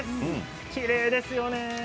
きれいですよね。